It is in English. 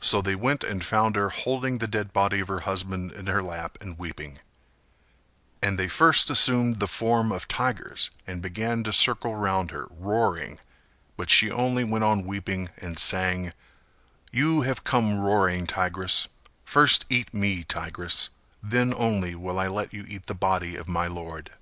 So they went and found her holding the dead body of her husband In her lap and weeping; and they first assumed the form of tigers and began to circle round her roaring, but she only went on weeping and sang "You have come roaring, tigress: First eat me, tigress: Then only will I let you eat the body of my lord."